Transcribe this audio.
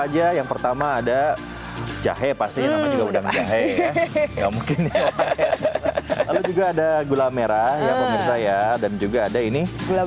aja yang pertama ada jahe pasti juga udah nge rap ya mungkin juga ada gula merah ya dan juga ada ini